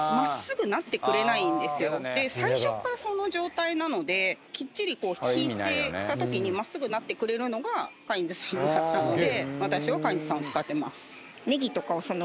最初からその状態なのできっちりこうひいた時に真っすぐになってくれるのがカインズさんのだったので。